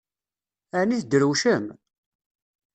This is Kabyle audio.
Ɛni tedrewcem?